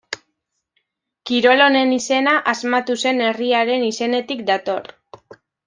Kirol honen izena, asmatu zen herriaren izenetik dator.